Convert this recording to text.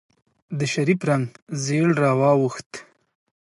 د شريف رنګ زېړ واوښت.